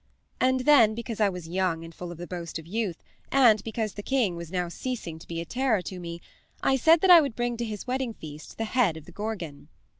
And then, because I was young and full of the boast of youth, and because the king was now ceasing to be a terror to me, I said that I would bring to his wedding feast the head of the Gorgon.